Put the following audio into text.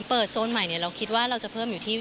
โซนใหม่เราคิดว่าเราจะเพิ่มอยู่ที่